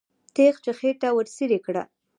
تیغ یې خېټه ورڅېړې کړه.